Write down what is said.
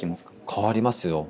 変わりますよ。